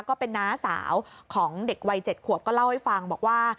ก็เป็นน้าสาวของเด็กวัย๗ขวบก็เล่าให้ฟังบอกว่า